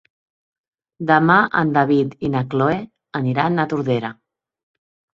Demà en David i na Cloè aniran a Tordera.